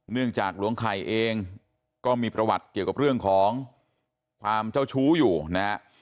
เนื่องจากหลวงไข่เองก็มีประวัติเกี่ยวกับเรื่องของความเจ้าชู้อยู่นะฮะ